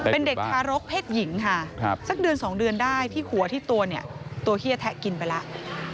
เป็นเด็กทารกเพศหญิงค่ะสักเดือน๒เดือนได้ที่หัวที่ตัวเนี่ยตัวเฮียแทะกินไปแล้ว